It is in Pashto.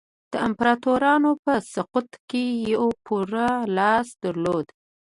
د امپراتورانو په سقوط کې یې پوره لاس درلود.